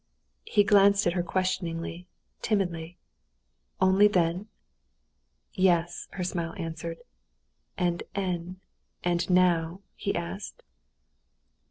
He glanced at her questioningly, timidly. "Only then?" "Yes," her smile answered. "And n... and now?" he asked.